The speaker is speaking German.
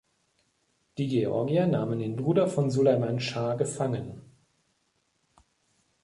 Die Georgier nahmen den Bruder von Suleiman Schah gefangen.